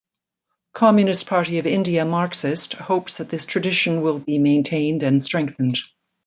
Communist Party of India Marxist hopes that this tradition will be maintained and strengthened.